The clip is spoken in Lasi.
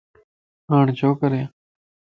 ھاڻ ڇو ڪريان؟